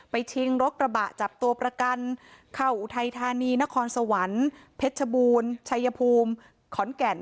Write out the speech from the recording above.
ชิงรถกระบะจับตัวประกันเข้าอุทัยธานีนครสวรรค์เพชรบูรณ์ชัยภูมิขอนแก่น